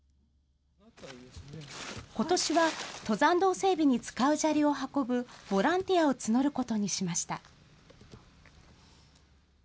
今年は、登山道整備に使う砂利を運ぶボランティアを募ることにしました。